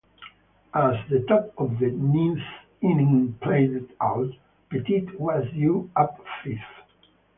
As the top of the ninth inning played out, Pettitte was due up fifth.